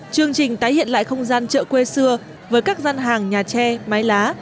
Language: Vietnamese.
chương trình tái hiện lại không gian chợ quê xưa với các gian hàng nhà tre máy lá